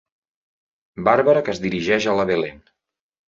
Bàrbara que es dirigeix a la Belén.